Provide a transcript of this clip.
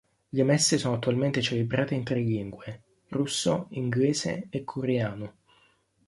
Le messe sono attualmente celebrate in tre lingue: russo, inglese e coreano.